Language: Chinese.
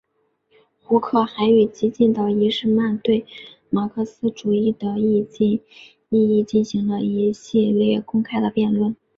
胡克还与激进的伊士曼对马克思主义的意义进行了一系列公开的辩论。